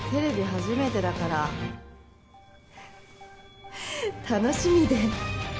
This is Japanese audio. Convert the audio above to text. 初めてだから楽しみで。